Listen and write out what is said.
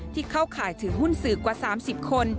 เข้าข่ายถือหุ้นสื่อกว่า๓๐คน